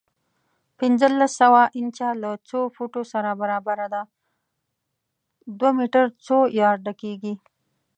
پنځلس سوه انچه له څو فوټو سره برابره ده؟ دوه میټر څو یارډه کېږي؟